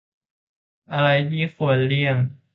อะไรที่ควรเลี่ยง